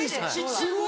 すごい。